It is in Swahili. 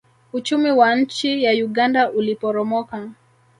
uchumi wa nchi ya uganda uliporomoka